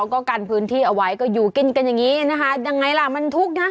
ก็กันพื้นที่เอาไว้ก็อยู่กินกันอย่างนี้นะคะยังไงล่ะมันทุกข์นะ